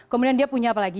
kemudian dia punya apa lagi